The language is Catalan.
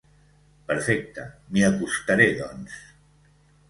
Perfecte, m'hi acostaré doncs.